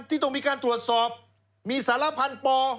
ที่ต้องมีการตรวจสอบมีสารพันธ์ปอ